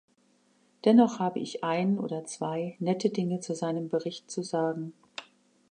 Dennoch habe ich ein oder zwei nette Dinge zu seinem Bericht zu sagen.